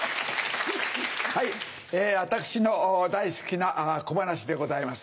私の大好きな小噺でございます。